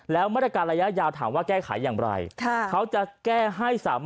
แล้วบริการระยะยาวถามว่าแก้ไขอย่างไร